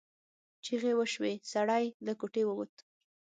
چیغې وشوې سړی له کوټې ووت.